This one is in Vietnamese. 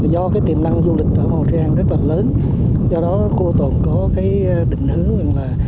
do tiềm năng du lịch ở hồ trị an rất lớn do đó khu hồ tồn có định hướng là